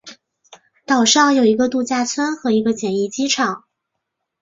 岛上有一个度假村和一个简易机场。